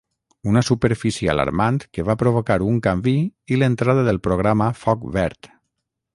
Una superfície alarmant que va provocar un canvi i l’entrada del Programa Foc Verd.